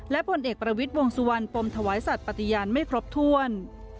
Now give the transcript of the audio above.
และผลเอกประวิทย์วงสุวรรณปมถวายสัตว์ปฏิญาณไม่ครบถ้วน